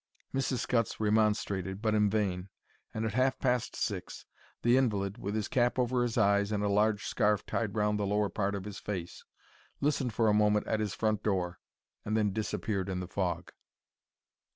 Mrs. Scutts remonstrated, but in vain, and at half past six the invalid, with his cap over his eyes and a large scarf tied round the lower part of his face, listened for a moment at his front door and then disappeared in the fog.